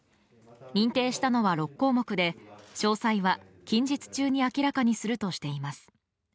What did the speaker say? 認定したのは６項目で詳細は近日中に明らかにするとしています。